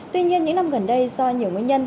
tuy nhiên những năm gần đây do nhiều nguyên nhân